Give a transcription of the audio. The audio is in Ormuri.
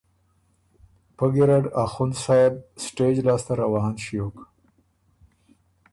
پۀ ګیرډ اخوند صېب سټېج لاسته روان ݭیوک